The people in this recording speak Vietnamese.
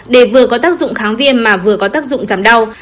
để vừa có tác dụng kháng viên mà vừa có tác dụng giảm đau